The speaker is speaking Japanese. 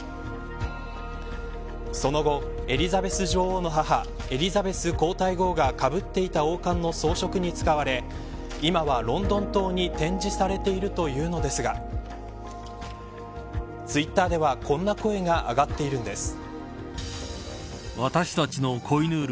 その後、エリザベス女王の母エリザベス皇太后がかぶっていた王冠の装飾に使われ今はロンドン塔に展示されているというのですがツイッターでは、こんな声が上がっているんです。